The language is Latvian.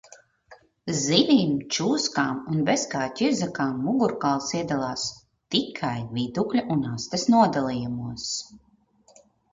Zivīm, čūskām un bezkāju ķirzakām mugurkauls iedalās tikai vidukļa un astes nodalījumos.